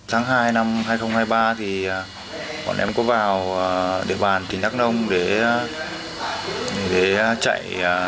tháng hai năm hai nghìn hai mươi ba thì bọn em có vào địa bàn tỉnh đắk nông để chạy